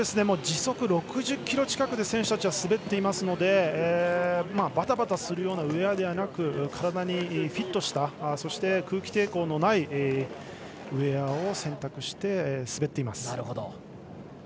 時速６０キロ近くで選手たちは滑っていますのでバタバタするようなウエアではなく、体にフィットしたそして、空気抵抗のないウエアを選択して滑っています。